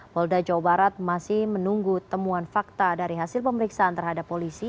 polda jawa barat masih menunggu temuan fakta dari hasil pemeriksaan terhadap polisi